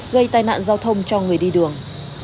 gây tai nạn giao thông cho người đi đường